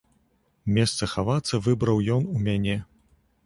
Месца хавацца выбраў ён у мяне.